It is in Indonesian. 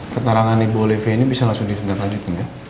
keterangan ibu oleh v ini bisa langsung ditentang lanjut gak